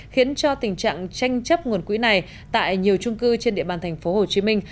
khiến cho tình trạng tranh chấp nguồn quỹ này tại nhiều trung cư trên địa bàn thành phố hồ chí minh